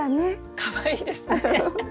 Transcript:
かわいいですね。